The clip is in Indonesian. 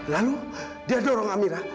lalu dia dorong amirah